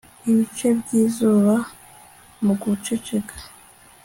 ibice by'izuba muguceceka